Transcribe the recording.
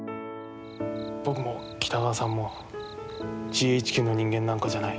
僕も北川さんもＧＨＱの人間なんかじゃない。